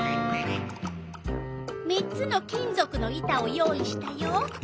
３つの金ぞくの板を用意したよ。